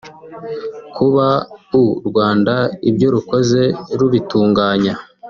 kuba u Rwanda ibyo Rukoze rubitunganya